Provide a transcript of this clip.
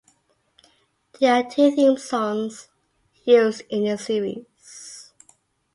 There are two theme songs used in the series.